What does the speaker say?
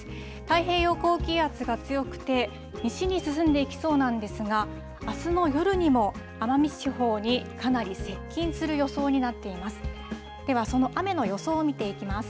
太平洋高気圧が強くて、西に進んでいきそうなんですが、あすの夜にも奄美地方にかなり接近する予想になっています。